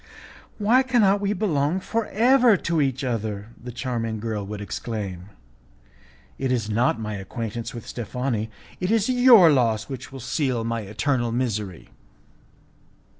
"Ah! why can we not belong for ever to each other?" the charming girl would exclaim. "It is not my acquaintance with Steffani, it is your loss which will seal my eternal misery."